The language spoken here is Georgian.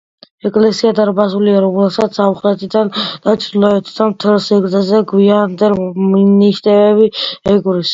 ეკლესია დარბაზულია, რომელსაც სამხრეთიდან და ჩრდილოეთიდან მთელ სიგრძეზე გვიანდელი მინაშენები ეკვრის.